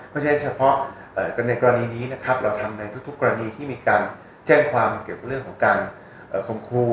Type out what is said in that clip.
โดยเฉพาะกรณีนี้นะครับเราทำในทุกกรณีที่มีการแจ้งความเกี่ยวกับเรื่องของการคมครู